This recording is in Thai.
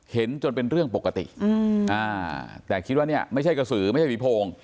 จนเป็นเรื่องปกติแต่คิดว่าเนี่ยไม่ใช่กระสือไม่ใช่ผีโพง